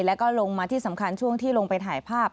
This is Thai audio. แล้วก็ลงมาที่สำคัญช่วงที่ลงไปถ่ายภาพ